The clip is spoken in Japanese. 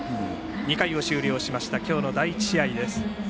２回を終了しました今日の第１試合です。